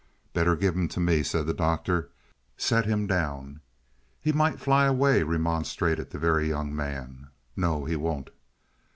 "Better give him to me," said the Doctor. "Set him down." "He might fly away," remonstrated the Very Young Man. "No, he won't."